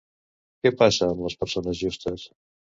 Què passa amb les persones justes?